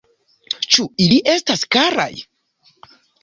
Ĉu ili estas karaj?